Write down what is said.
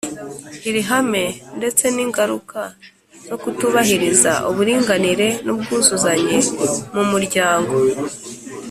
iri hame, ndetse n’ingaruka zo kutubahiriza uburinganire n’ubwuzuzanye mu muryango?